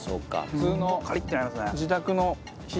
普通の。